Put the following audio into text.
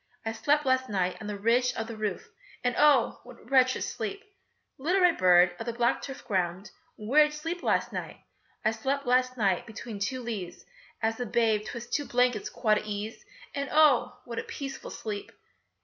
I slept last night on the ridge of the roof, And oh! what a wretched sleep! Little red bird of the black turf ground, Where did you sleep last night? I slept last night between two leaves As a babe 'twixt two blankets quite at ease, And oh! what a peaceful sleep!